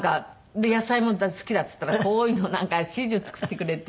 で「野菜も好きだ」って言ったらこういうのをなんか始終作ってくれて。